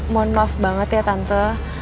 mohon maaf banget ya tante